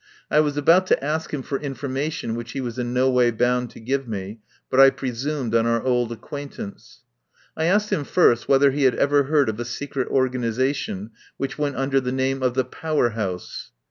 I was about to ask him for information which he was in no way bound to give me, but I presumed on our old acquaintance. I asked him first whether he had ever heard of a secret organisation which went under the name of the Power House.